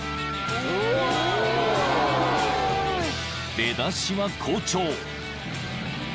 ［出だしは好調］